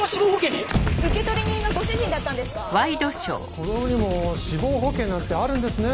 子供にも死亡保険なんてあるんですね。